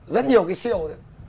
rất nhiều cái siêu